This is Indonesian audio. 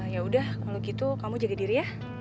yaudah kalau gitu kamu jaga diri ya